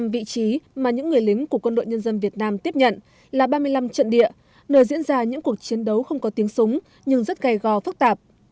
năm vị trí mà những người lính của quân đội nhân dân việt nam tiếp nhận là ba mươi năm trận địa nơi diễn ra những cuộc chiến đấu không có tiếng súng nhưng rất gai go phức tạp